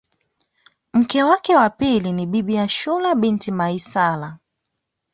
Mke wake wa pili ni Bibi Ashura binti Maisara